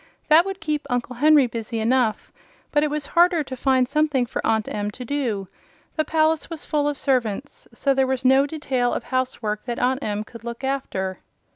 That would keep Uncle Henry busy enough, but it was harder to find something for Aunt Em to do. The palace was full of servants, so there was no detail of housework that Aunt Em could look after.